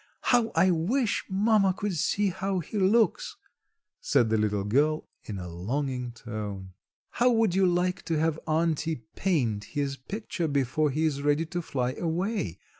How I wish mamma could see how he looks," said the little girl in a longing tone. "How would you like to have auntie paint his picture before he is ready to fly away?"